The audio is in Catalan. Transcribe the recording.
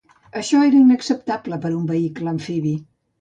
Això era inacceptable per a un vehicle amfibi.